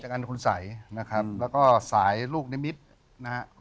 กันคุณสัยนะครับแล้วก็สายลูกนิมิตรนะฮะ